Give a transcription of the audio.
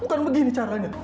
bukan begini caranya